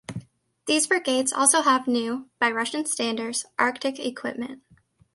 These brigades also have new (by Russian standards) arctic equipment.